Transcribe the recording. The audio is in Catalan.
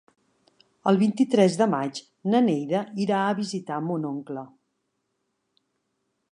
El vint-i-tres de maig na Neida irà a visitar mon oncle.